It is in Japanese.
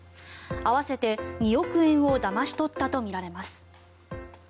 合わせて２億円をだまし取ったとみられます。